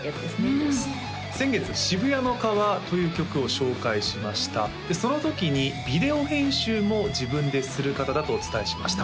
うん先月「シブヤノカワ」という曲を紹介しましたでその時にビデオ編集も自分でする方だとお伝えしました